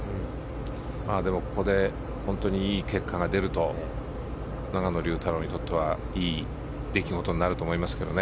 ここで本当にいい結果が出ると永野竜太郎にとってはいい出来事になると思います。